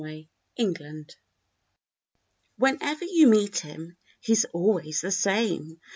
THE JOLLIER Whenever you meet him, he's always the same.